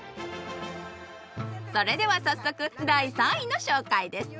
それでは早速第３位の紹介です。